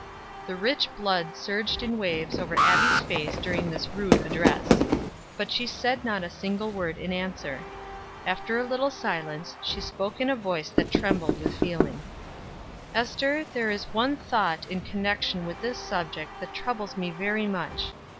The rich blood surged in waves over Abbie's face during this rude address; but she said not a single word in answer. After a little silence, she spoke in a voice that trembled with feeling. "Ester, there is one thought in connection with this subject that troubles me very much.